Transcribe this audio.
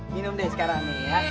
minum deh sekarang nih ya